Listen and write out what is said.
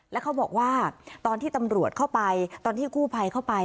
แล้วเขาบอกว่าตอนที่ตำรวจเข้าไปตอนที่กู้ภัยเข้าไป